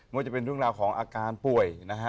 ว่าจะเป็นเรื่องราวของอาการป่วยนะฮะ